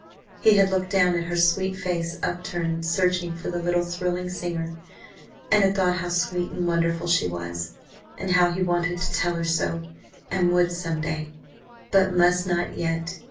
He had looked down at her sweet face upturned searching for the little thrilling singer, and had thought how sweet and wonderful she was, and how he wanted to tell her so, and would some day, but must not just yet.